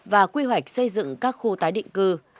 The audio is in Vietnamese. và quy hoạch xây dựng các khu tái định cư